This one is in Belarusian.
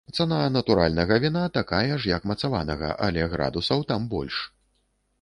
Цана натуральнага віна такая ж, як мацаванага, але градусаў там больш.